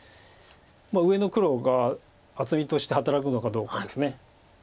上の黒が厚みとして働くのかどうかです。